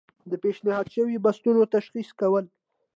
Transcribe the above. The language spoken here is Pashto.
د پیشنهاد شویو بستونو تشخیص کول.